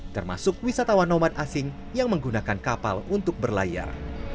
termasuk wisatawan noman asing yang menggunakan kapal untuk berlayar